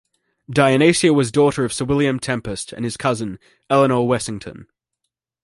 Dionysia was daughter of Sir William Tempest and his cousin, Eleanor Wessyngton.